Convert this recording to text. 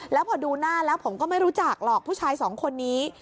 แล้วพอดูหน้าแล้วผมก็ไม่รู้จักหรอกผู้ชายสองคนนี้